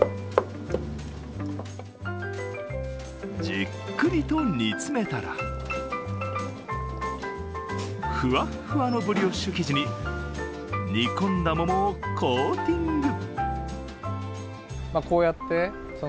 じっくりと煮詰めたらふわっふわのブリオッシュ生地に煮込んだ桃をコーティング。